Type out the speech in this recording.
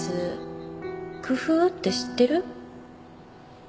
工夫って知ってる？